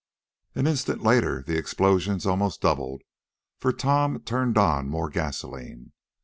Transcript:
An instant later the explosions almost doubled, for Tom turned on more gasolene.